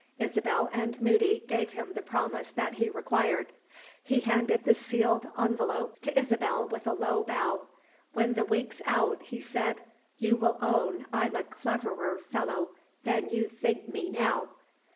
Isabel and Moody gave him the promise that he required. He handed the sealed envelope to Isabel with a low bow. "When the week's out," he said, "you will own I'm a cleverer fellow than you think me now.